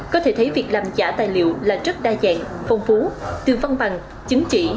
có thể thấy việc làm giả tài liệu là rất đa dạng phong phú từ văn bằng chứng chỉ